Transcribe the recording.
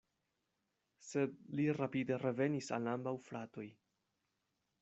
Sed li rapide revenis al ambaŭ fratoj.